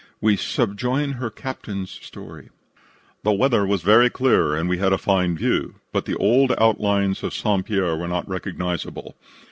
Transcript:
We subjoin her captain's story: "The weather was clear and we had a fine view, but the old outlines of St. Pierre were not recognizable.